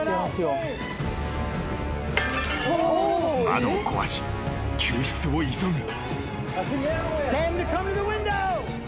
［窓を壊し救出を急ぐ］